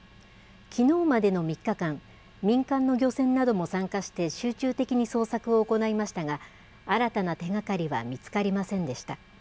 きのうまでの３日間、民間の漁船なども参加して集中的に捜索を行いましたが、新たな手がかりは見つかりませんでした。